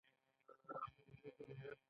د چارو لپاره د کارکوونکو توظیف کول اړین دي.